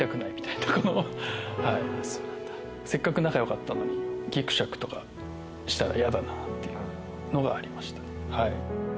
せっかく仲良かったのにぎくしゃくしたらヤダなっていうのがありました。